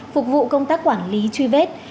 phục vụ công tác quản lý truy vết